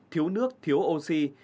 thiếu nước thiếu oxy